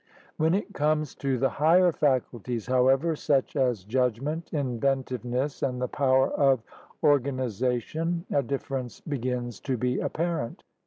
When it comes to the higher 6 THE RED MAN'S CONTINENT faculties, however, such as judgment, inventive ness, and the power of organization, a difference begins to be apparent.